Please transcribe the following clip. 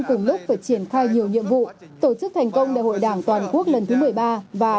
cùng lúc phải triển khai nhiều nhiệm vụ tổ chức thành công đại hội đảng toàn quốc lần thứ một mươi ba và